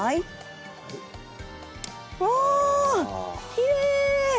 きれい！